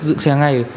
dựng xe ngay